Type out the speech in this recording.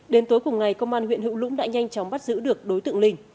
đến tối cùng ngày công an huyện hữu lũng đã nhanh chóng bắt giữ được đối tượng linh